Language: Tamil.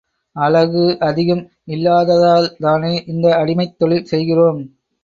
அழகு அதிகம் இல்லாததால் தானே இந்த அடிமைத் தொழில் செய்கிறோம்.